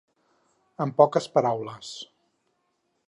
Amb poques paraules.